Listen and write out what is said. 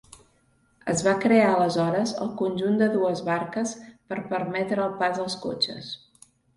Es va crear aleshores el conjunt de dues barques per permetre el pas als cotxes.